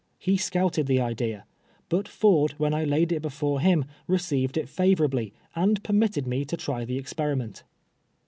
He scouted the idea ; bnt Ford, when I laid it before liim, received it favorably, and permitted me to try the experiment.